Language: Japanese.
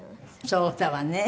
そうだわね。